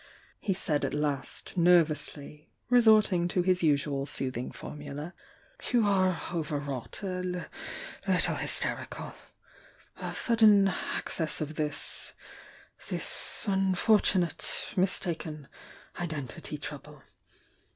he said at last, nervously, — re sorting to his usual soothing formula — "You are overwrought — a little hysterical — a sudden access of this — this unfortunate mistaken identity trouble.